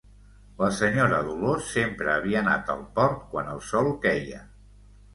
La senyora Dolors sempre havia anat al port quan el sol queia.